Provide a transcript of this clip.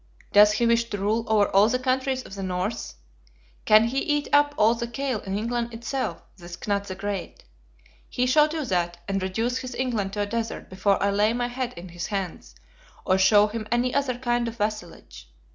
Does he wish to rule over all the countries of the North? Can he eat up all the kale in England itself, this Knut the Great? He shall do that, and reduce his England to a desert, before I lay my head in his hands, or show him any other kind of vassalage.